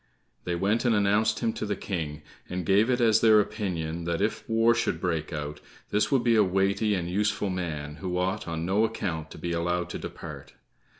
They went and announced him to the King, and gave it as their opinion that if war should break out, this would be a weighty and useful man who ought on no account to be allowed to depart.